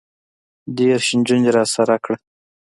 دېرش نجونې راسره کړه.